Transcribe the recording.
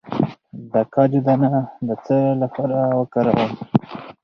د کاجو دانه د څه لپاره وکاروم؟